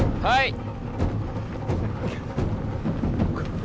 はい。